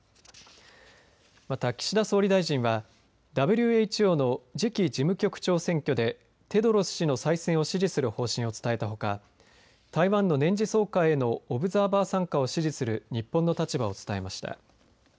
また岸田総理大臣はＷＨＯの次期事務局長選挙でテドロス氏の再選を支持する方針を伝えたほか台湾の年次総会へのオブザーバー参加を支持する日本の立場を伝えました。